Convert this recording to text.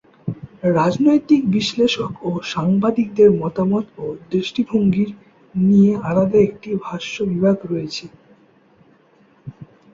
রাজনৈতিক বিশ্লেষক ও সাংবাদিকদের মতামত ও দৃষ্টিভঙ্গির নিয়ে আলাদা একটি ভাষ্য বিভাগ রয়েছে।